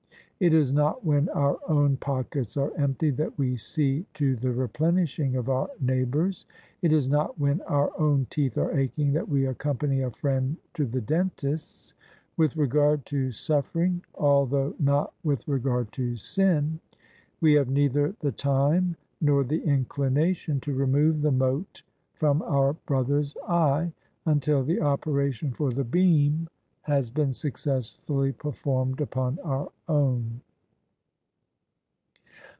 It is not when our own pockets are empty that we see to the replenishing of our neighbours*: it is not when our own teeth are aching that we accompany a friend to the dentist's. With regard to suffering — ^although not with regard to sin — ^we have neither the time nor the inclination to remove the mote from our brother's eye, until the operation for the beam has been suc cessfully performed upon our own.